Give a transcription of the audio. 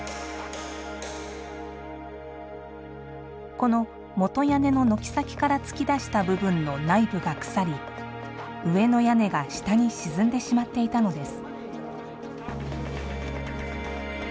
この本屋根の軒先から突き出した部分の内部が腐り上の屋根が下に沈んでしまっていたのです。